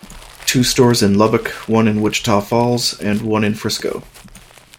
Two stores in Lubbock, one in Wichita Falls, and one in Frisco.